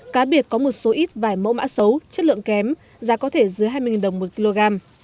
cá biệt có một số ít vài mẫu mã xấu chất lượng kém giá có thể dưới hai mươi đồng một kg